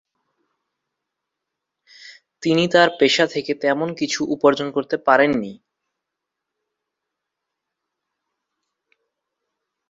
তিনি তার পেশা থেকে তেমন কিছু উপার্জন করতে পারেননি।